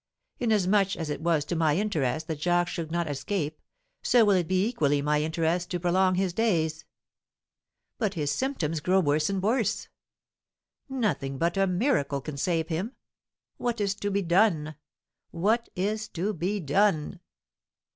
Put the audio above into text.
Inasmuch as it was to my interest that Jacques should not escape, so will it be equally my interest to prolong his days. But his symptoms grow worse and worse; nothing but a miracle can save him. What is to be done? What is to be done?"